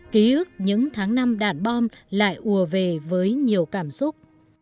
ký ức những tháng năm đạn bom lại ùa về với nhiều cảm xúc